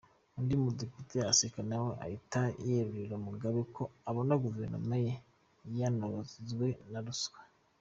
Undi mudepite aseka nawe ahita yerurira Mugabe ko abona Guverinoma ye yamunzwe na Ruswa.